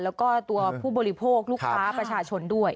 แล้วก็ตัวผู้บริโภคลูกค้าประชาชนด้วย